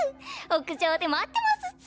屋上で待ってますっす！